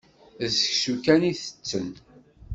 D seksu kan i tetten.